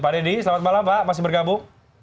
pak dedy selamat malam pak masih bergabung